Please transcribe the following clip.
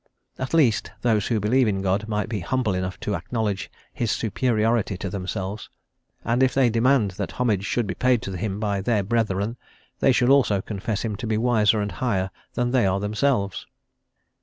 At least, those who believe in God might be humble enough to acknowledge his superiority to themselves, and if they demand that homage should be paid to him by their brethren, they should also confess him to be wiser and higher than they are themselves.